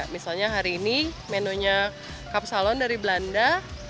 misalnya hari ini menunya kapsalon dari belanda